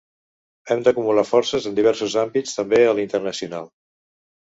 Hem d’acumular forces en diversos àmbits, també a l’internacional.